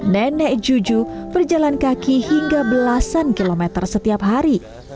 nenek juju berjalan kaki hingga belasan kilometer setiap hari